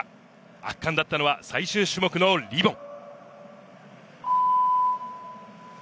圧巻だったのは最終種目のリボン。